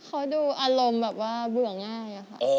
เขาดูอารมณ์บื่อง่าย